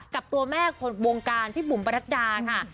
กับตัวแม่คนวงการพี่บุ๋มประนัดดาค่ะ